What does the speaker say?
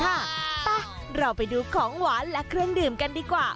อ่ะเราไปดูของหวานและเครื่องดื่มกันดีกว่า